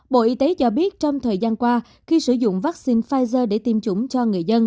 bộ y tế cho biết trong thời gian qua khi sử dụng vaccine pfizer để tiêm chủng cho người dân